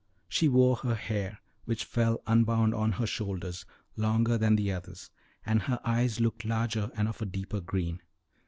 She wore her hair, which fell unbound on her shoulders, longer than the others, and her eyes looked larger, and of a deeper green.